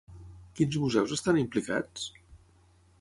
Quins museus estan implicats?